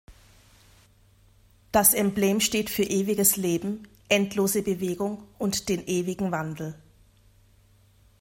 Das Emblem steht für ewiges Leben, endlose Bewegung und den ewigen Wandel.